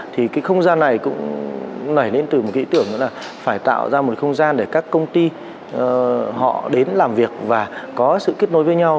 thì cái không gian này cũng nảy lên từ một cái ý tưởng là phải tạo ra một không gian để các công ty họ đến làm việc và có sự kết nối với nhau